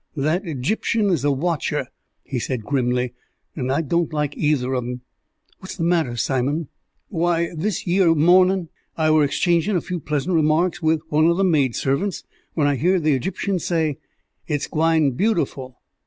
"That Egyptian is a watcher," he said grimly, "and I don't like either of 'em." "What's the matter, Simon?" "Why, this yer morning, I wur exchangin' a few pleasant remarks with one of the maid servants, when I hears the Egyptian say, 'It's gwine beautiful.'